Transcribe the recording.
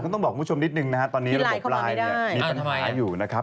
ก็ต้องบอกคุณผู้ชมนิดหนึ่งตอนนี้ระบบไลน์นี้มีปัญหาอยู่นะครับ